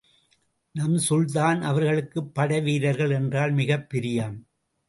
நம் சுல்தான் அவர்களுக்குப் படை வீரர்கள் என்றால் மிகப்பிரியம்.